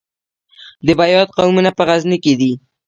د بیات قومونه په غزني کې دي